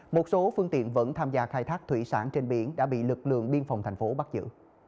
một số phương tiện vẫn tham gia khai thác thủy sản trên biển đã bị lực lượng biên phòng thành phố bắt giữ